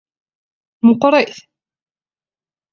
Meqqrit?